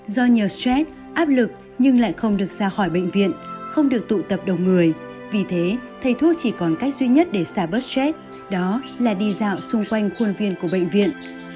do nhiều stress áp lực nhưng lại không được ra khỏi bệnh viện không được tụ tập đông người vì thế thầy thuốc chỉ còn cách duy nhất để xả bớt stress đó là đi dạo xung quanh khuôn viên của bệnh viện